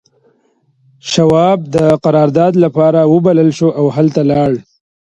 شواب د قرارداد لپاره وبلل شو او هلته لاړ